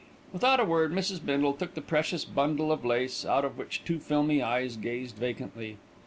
Without a word, Mrs. Bindle took the precious bundle of lace, out of which two filmy eyes gazed vacantly.